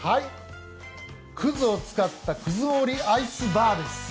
くずを使った葛ごおりアイスバーです。